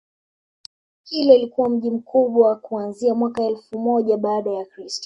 Kilwa ilikuwa mji mkubwa kuanzia mwaka elfu moja baada ya Kristo